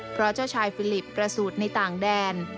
เพราะเจ้าชายฟิลิปประสูจน์ในต่างแดน